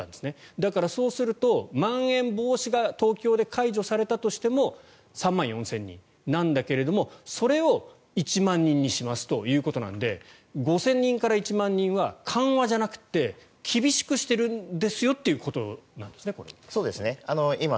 だから、そうするとまん延防止措置が東京で解除されたとしても３万４０００人なんだけどそれを１万人にしますということなので５０００人から１万人は緩和じゃなくて厳しくしているんですよってことなんですね、これは。